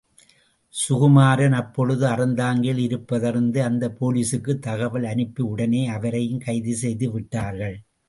சுகுமாரன் அப்பொழுது அறந்தாங்கியில் இருப்பதறிந்து, அந்த போலீஸுக்குத் தகவல் அனுப்பி உடனே அவரையும் கைது செய்து விட்டார்கள்.